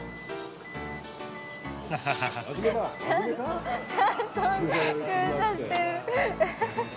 ちゃんとちゃんと駐車してる。